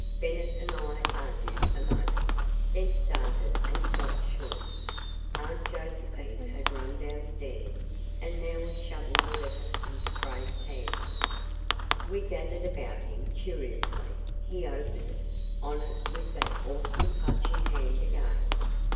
Bennett and I argued a moment, then started and stopped short. Aunt Josephine had run downstairs and now was shoving the letter into Craig's hands. We gathered about him, curiously. He opened it. On it was that awesome Clutching Hand again.